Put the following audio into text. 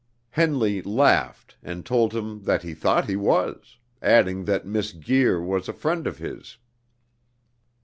Henley laughed, and told him that he thought he was, adding that Miss Guir was a friend of his.